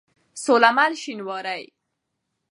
سوله مل شينوارى